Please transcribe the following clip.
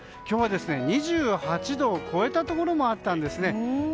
今日は２８度を超えたところもあったんですね。